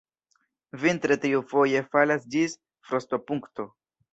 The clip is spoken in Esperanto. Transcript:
Vintre tio foje falas ĝis frostopunkto.